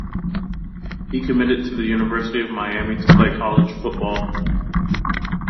He committed to the University of Miami to play college football.